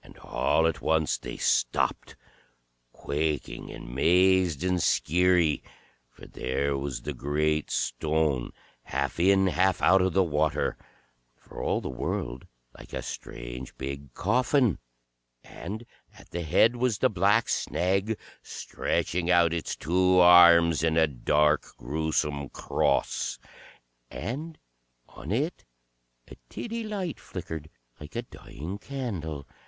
And all at once they stopped, quaking and mazed and skeery, for there was the great stone, half in, half out of the water, for all the world like a strange big coffin; and at the head was the black snag, stretching out its two arms in a dark gruesome cross, and on it a tiddy light flickered, like a dying candle.